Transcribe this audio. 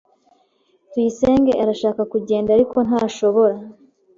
Tuyisenge arashaka kugenda, ariko ntashobora.